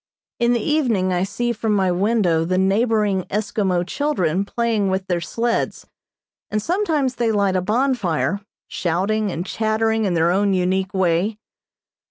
In the evening I see from my window the neighboring Eskimo children playing with their sleds, and sometimes they light a bonfire, shouting and chattering in their own unique way.